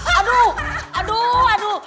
aduh aduh aduh